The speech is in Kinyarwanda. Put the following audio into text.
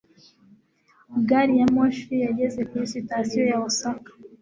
Gari ya moshi yageze kuri sitasiyo ya Osaka.